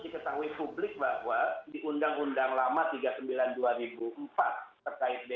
yang harus diketahui publik bahwa di undang undang lama tiga puluh sembilan dua ribu empat terkait bnp dua tki